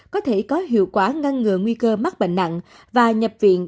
có thể có hiệu quả ngăn ngừa nguy cơ mắc bệnh nặng và nhập viện